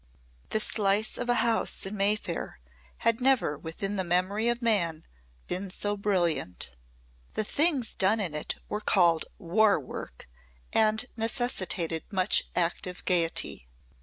The slice of a house in Mayfair had never within the memory of man been so brilliant. The things done in it were called War Work and necessitated much active gaiety.